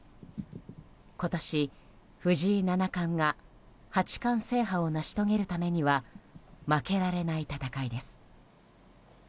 今年、藤井七冠が八冠制覇を成し遂げるためには負けられない戦いです。